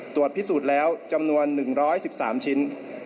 ตรวจพิสูจน์แล้วจำนวน๑๑๓ชิ้น